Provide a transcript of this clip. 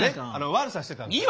悪さしてたんですよ。